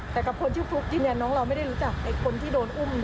แต่กับคนชื่อฟลุ๊กยืนยันน้องเราไม่ได้รู้จักคนที่โดนอุ้ม